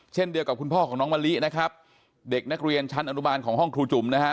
เช่นเดียวกับคุณพ่อของน้องมะลินะครับเด็กนักเรียนชั้นอนุบาลของห้องครูจุ๋มนะฮะ